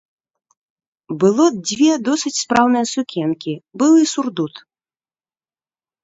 Было дзве досыць спраўныя сукенкі, быў і сурдут.